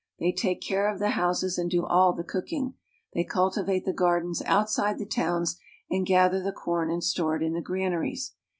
They take care of the houses and do all the cooking. They culti vate the gardens outside the towns, and gather the corn and store it in the granaries.